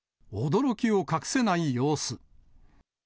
驚きを隠せない様子。